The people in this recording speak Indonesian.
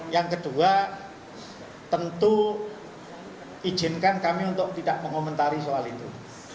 yang kedua tentu izinkan kami untuk tidak mengomentari soal itu